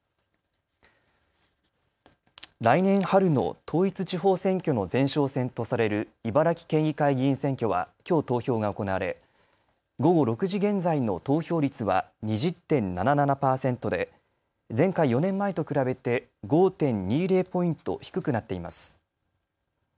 来年春の統一地方選挙の前哨戦とされる茨城県議会議員選挙はきょう投票が行われ午後６時現在の投票率は２０．７７％で前回４年前と比べて５．２０ポイント低くなっています。